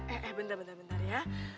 eh eh bentar bentar bentar ya